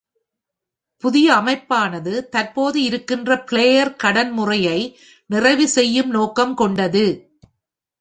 புதிய அமைப்பானது தற்போது இருக்கின்ற பிளேயர் கடன் முறையை நிறைவு செய்யும் நோக்கம் கொண்டது.